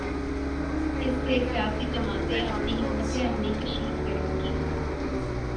اسی سے سیاسی جماعتیں اپنی حکمت عملی کشید کریں گی۔